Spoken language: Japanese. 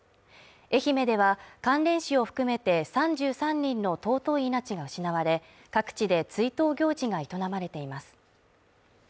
愛媛では関連死を含めて３３人の尊い命が失われ各地で追悼行事が営まれています。